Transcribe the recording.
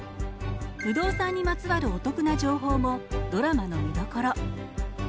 不動産にまつわるお得な情報もドラマの見どころ。